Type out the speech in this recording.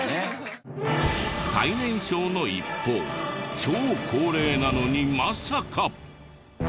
最年少の一方超高齢なのにまさか。